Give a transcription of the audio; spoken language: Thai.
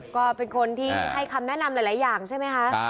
ก็เป็นคนที่ให้คำแนะนำหลายอย่างใช่ไหมคะ